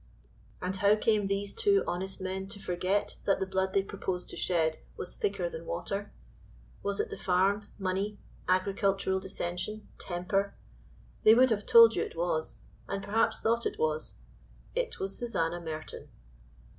And how came these two honest men to forget that the blood they proposed to shed was thicker than water? Was it the farm, money, agricultural dissension, temper? They would have told you it was, and perhaps thought it was. It was Susanna Merton!